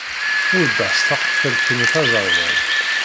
Ur ḍḍas taqeffalt-nni taẓerwalt.